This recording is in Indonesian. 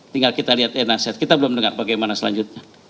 tinggal kita lihat nasihat kita belum dengar bagaimana selanjutnya